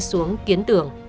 xuống kiến tưởng